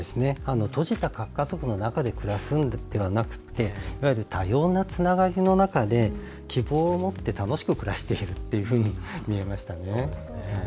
閉じた核家族家族の中で暮らすのではなくて多様なつながりの中で希望を持って楽しく暮らしていくというふうに見えましたね。